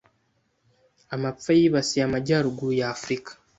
Amapfa yibasiye amajyaruguru y’Afurika